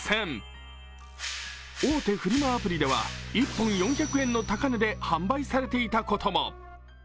大手フリマアプリでは１本４００円の高値で販売されていたことも。